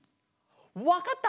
わかった！